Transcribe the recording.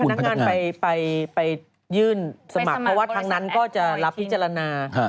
พนักงานไปยื่นสมัครเพราะว่าทั้งนั้นก็จะรับพิจารณา